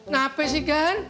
nafek sih gan